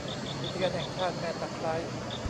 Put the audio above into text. อุทยานแห่งชาติแม่ตะไคร้